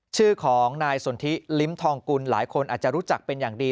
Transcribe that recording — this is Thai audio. ชื่อของนายสนทิลิ้มทองกุลหลายคนอาจจะรู้จักเป็นอย่างดี